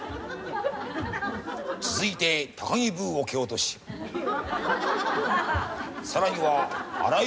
続いて高木ブーを蹴落としさらには荒井